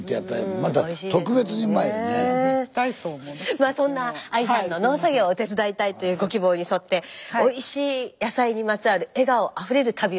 まあそんなＡＩさんの「農作業を手伝いたい」というご希望に沿っておいしい野菜にまつわる笑顔あふれる旅を集めました。